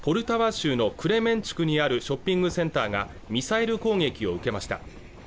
州のクレメンチュクにあるショッピングセンターがミサイル攻撃を受けました